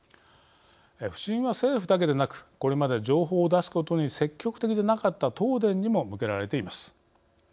不信は政府だけでなくこれまで情報を出すことに積極的でなかった東電にも向けられています。